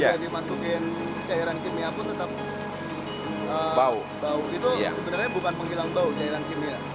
ya dimasukin cairan kimia pun tetap bau itu sebenarnya bukan penghilang bau cairan kimia